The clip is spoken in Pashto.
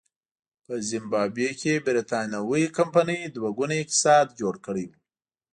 په زیمبابوې کې برېټانوۍ کمپنۍ دوه ګونی اقتصاد جوړ کړی و.